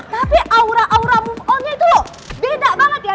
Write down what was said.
tapi aura aura move on nya itu loh beda banget ya